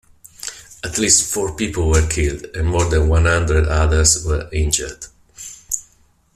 At least four people were killed and more than one hundred others were injured.